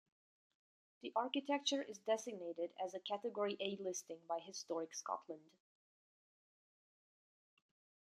The architecture is designated as a Category 'A' listing by Historic Scotland.